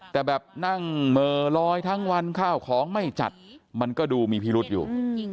แต่แบบนั่งเหม่อลอยทั้งวันข้าวของไม่จัดมันก็ดูมีพิรุษอยู่